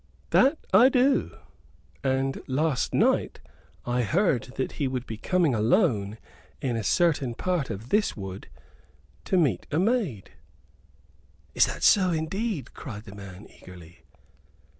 "That do I; and last night I heard that he would be coming alone in a certain part of this wood to meet a maid." "Is that so indeed?" cried the man, eagerly.